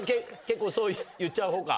結構そう言っちゃうほうか？